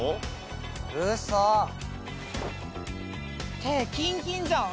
手キンキンじゃん！